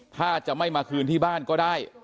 ถ้าจะไม่มาคืนที่บ้านก็ได้